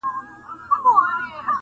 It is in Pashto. هم د زور او هم د زرو څښتنان وه،